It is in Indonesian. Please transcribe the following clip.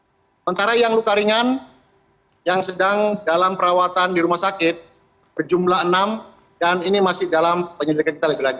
sementara yang luka ringan yang sedang dalam perawatan di rumah sakit berjumlah enam dan ini masih dalam penyelidikan kita lagi